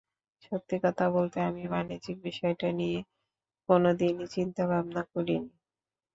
সত্যি কথা বলতে আমি বাণিজ্যিক বিষয়টা নিয়ে কোনো দিনই চিন্তাভাবনা করিনি।